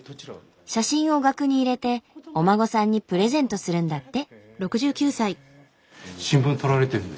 写真を額に入れてお孫さんにプレゼントするんだって。